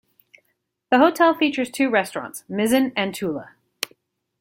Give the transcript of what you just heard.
The hotel features two restaurants, Mizzen and Toula.